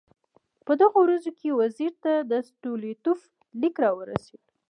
په دغو ورځو کې وزیر ته د ستولیتوف لیک راورسېد.